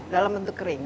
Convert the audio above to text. dalam bentuk kering